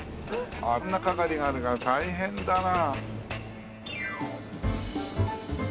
あんな係があるから大変だな。